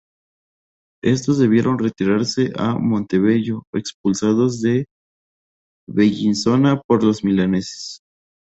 Estos debieron retirarse a Montebello, expulsados de Bellinzona por los milaneses.